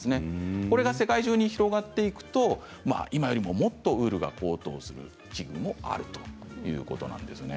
これが世界中に広がっていくと今よりももっとウールが高騰する機運があるということです。